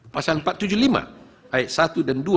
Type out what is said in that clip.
pasal empat ratus tujuh puluh lima ayat satu dan dua